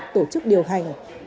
các tổ chức điều hành